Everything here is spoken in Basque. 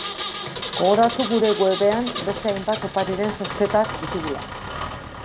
Gogoratu gure webean beste hainbat opariren zozketak ditugula.